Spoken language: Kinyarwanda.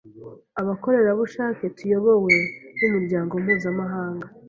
abakorerabushake tuyobowe n’umuryango mpuzamahanga,